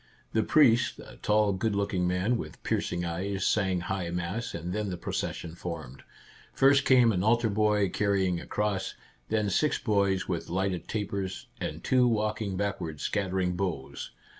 The priest, a tall, good looking man with piercing eyes, sang high mass, and then the procession formed. First came an altar boy carrying a cross, then six boys with lighted tapers, and two walking backward scattering boughs.